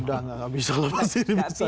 udah gak bisa loh pasti ini bisa